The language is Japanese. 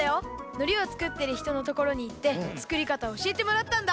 ノリをつくってるひとのところにいってつくりかたをおしえてもらったんだ。